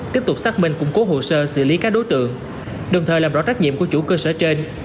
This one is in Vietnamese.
tiếp tục xác minh củng cố hồ sơ xử lý các đối tượng đồng thời làm rõ trách nhiệm của chủ cơ sở trên